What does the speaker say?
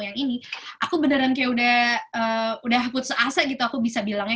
yang ini aku beneran kayak udah putus asa gitu aku bisa bilangnya